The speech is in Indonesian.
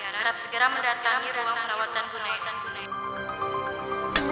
berab segera mendatang di ruang perawatan buat tiara